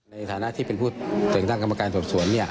ในฐานะที่เป็นผู้แต่งตั้งกรรมการสอบสวน